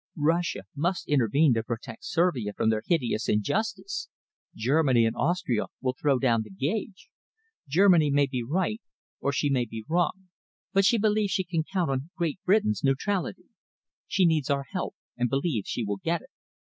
Russia must intervene to protect Servia from their hideous injustice. Germany and Austria will throw down the gage. Germany may be right or she may be wrong, but she believes she can count on Great Britain's neutrality. She needs our help and believes she will get it.